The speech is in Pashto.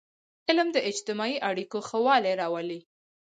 علم د اجتماعي اړیکو ښهوالی راولي.